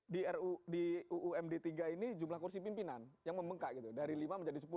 di ruu md tiga ini jumlah kursi pimpinan yang membengkak dari lima menjadi sepuluh